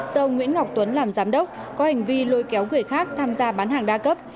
do nguyễn ngọc tuấn làm giám đốc có hành vi lôi kéo người khác tham gia bán hàng đa cấp